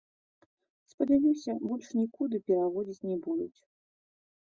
Спадзяюся, больш нікуды пераводзіць не будуць.